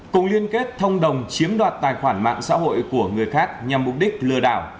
cùng liên kết thông đồng chiếm đoạt tài khoản mạng xã hội của người khác nhằm mục đích lừa đảo